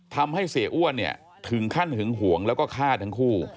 ทำให้เสียอ้วนเนี่ยถึงขั้นหึงห่วงแล้วก็ฆ่าทั้งคู่